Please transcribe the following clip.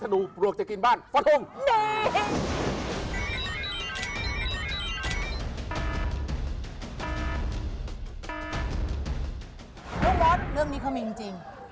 อยู่งานบนเทิงนานไหม